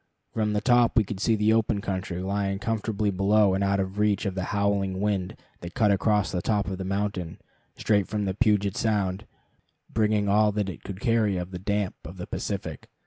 From the top we could see the open country lying comfortably below and out of reach of the howling wind that cut across the top of the mountain, straight from Puget Sound, bringing all that it could carry of the damp of the Pacific.